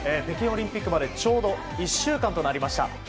北京オリンピックまでちょうど１週間となりました。